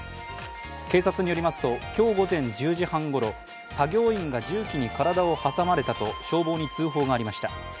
警察によりますと今日午前１０時半ごろ作業員が重機に体を挟まれたと消防に通報がありました。